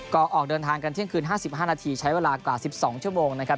ก็ออกเดินทางกันเที่ยงคืนห้าสิบห้านาทีใช้เวลากว่าสิบสองชั่วโมงนะครับ